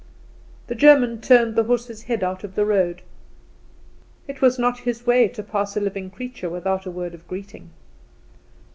The German turned the horse's head out of the road. It was not his way to pass a living creature without a word of greeting.